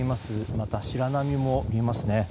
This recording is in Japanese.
あとは白波も見えますね。